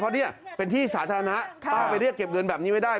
เพราะเนี่ยเป็นที่สาธารณะป้าไปเรียกเก็บเงินแบบนี้ไม่ได้